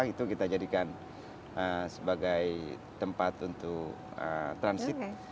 itu kita jadikan sebagai tempat untuk transit